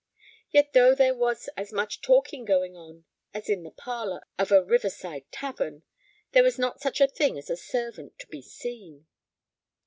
Yet though there was as much talking going on as in the parlor of a river side tavern, there was not such a thing as a servant to be seen.